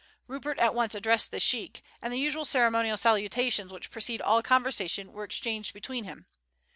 Rupert at once addressed the sheik, and the usual ceremonial salutations which precede all conversation were exchanged between them.